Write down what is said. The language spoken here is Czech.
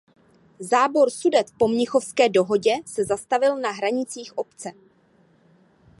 Zábor Sudet po Mnichovské dohodě se zastavil na hranicích obce.